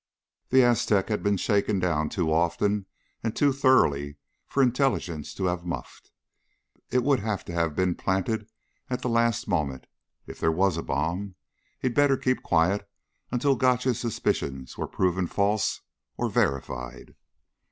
The Aztec had been shaken down too often and too thoroughly for Intelligence to have muffed. It would have to have been planted at the last moment. If there was a bomb, he'd better keep quiet until Gotch's suspicions were proven false or verified.